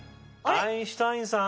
アインシュタインさん！